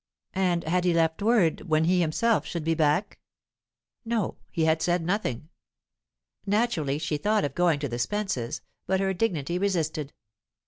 And had he left word when he himself should be back? No; he had said nothing. Naturally, she thought of going to the Spences'; but her dignity resisted.